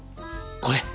これ！